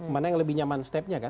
mana yang lebih nyaman step nya kan